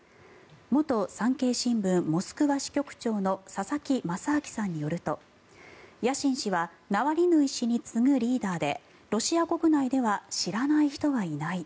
元産経新聞モスクワ支局長の佐々木正明さんによるとヤシン氏はナワリヌイ氏に次ぐリーダーでロシア国内では知らない人はいない。